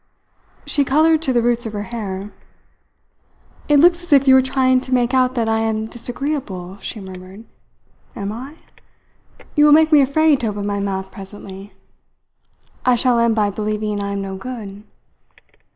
She coloured to the roots of her hair. "It looks as if you were trying to make out that I am disagreeable," she murmured. "Am I? You will make me afraid to open my mouth presently. I shall end by believing I am no good."